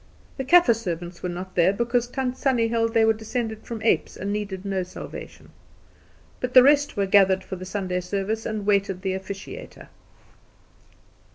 The Kaffer servants were not there because Tant Sannie held they were descended from apes, and needed no salvation. But the rest were gathered for the Sunday service, and waited the officiator.